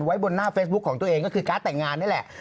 ไว้บนหน้าเฟซบุ๊คของตัวเองก็คือการ์ดแต่งงานนี่แหละ